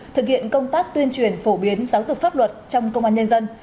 thực hiện công tác tuyên truyền phổ biến giáo dục pháp luật trong công an nhân dân